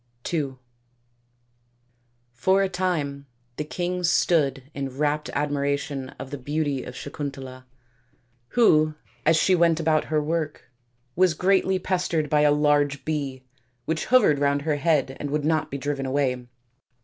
ii For a time the king stood in rapt admiration of the beauty of Sakuntala, who, as she went about her SAKUNTALA AND DUSHYANTA 227 work, was greatly pestered by a large bee which hovered round her head and would not be driven away.